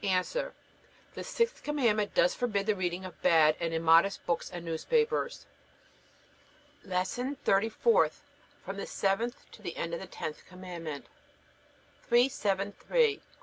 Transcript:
A. The sixth Commandment does forbid the reading of bad and immodest books and newspapers. LESSON THIRTY FOURTH FROM THE SEVENTH TO THE END OF THE TENTH COMMANDMENT 373. Q.